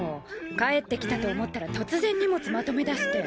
帰ってきたと思ったら突然荷物まとめだして。